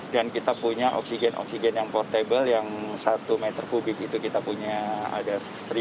kita punya oksigen oksigen yang portable yang satu meter kubik itu kita punya ada seribu